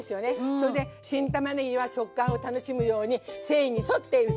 それで新たまねぎは食感を楽しむように繊維に沿って薄切りにしてあります！